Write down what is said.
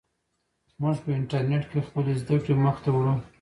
موږ په انټرنیټ کې خپلې زده کړې مخ ته وړو.